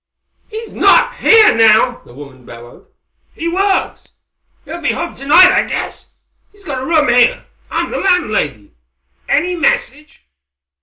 "He's not here now," the woman bellowed. "He works. He'll be home tonight, I guess. He's got a room here. I'm the landlady. Any message?"